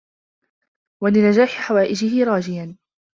وَلِنَجَاحِ حَوَائِجِهِ رَاجِيًا